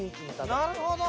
なるほど。